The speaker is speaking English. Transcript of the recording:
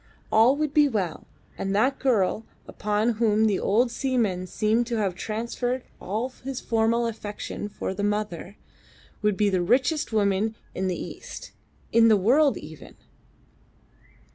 All would be well, and that girl, upon whom the old seaman seemed to have transferred all his former affection for the mother, would be the richest woman in the East in the world even.